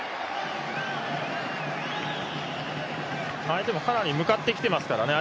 相手もかなり向かってきていますからね。